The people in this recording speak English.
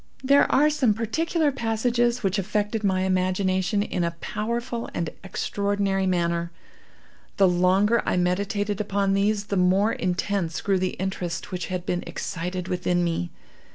There are some particular passages which affected my imagination in a powerful and extraordinary manner. The longer I meditated upon these the more intense grew the interest which had been excited within me.